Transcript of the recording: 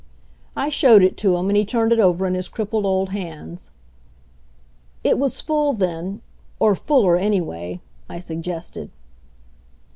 I showed it to him, and he turned it over in his crippled old hands. "It was full then or fuller, anyway," I suggested.